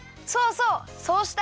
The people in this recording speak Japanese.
そうそう！